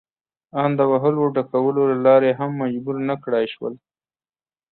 ان د وهلو ټکولو له لارې هم مجبور نه کړای شول.